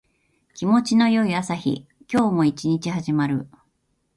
気持ちの良い朝日。今日も一日始まる。